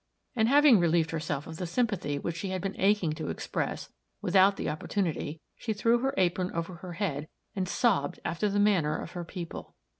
and having relieved herself of the sympathy which she had been aching to express, without the opportunity, she threw her apron over her head, and sobbed after the manner of her people.